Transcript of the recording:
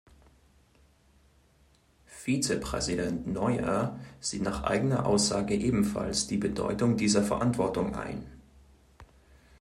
Vizepräsident Noyer sieht nach eigener Aussage ebenfalls die Bedeutung dieser Verantwortung ein.